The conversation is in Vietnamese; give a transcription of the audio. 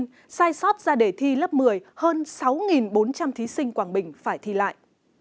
nhưng sai sót ra đề thi lớp một mươi hơn sáu bốn trăm linh thí sinh quảng bình phải thi lại